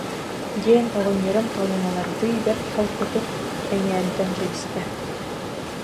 диэн оҕонньорум халымалардыы бэрт холкутук эҥээритэн кэбистэ